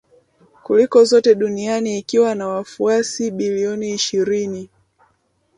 kuliko zote duniani ikiwa na wafuasi bilioni ishirini